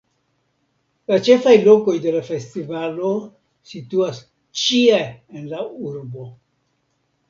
La ĉefaj lokoj de la festivalo situas ĉie en la urbo.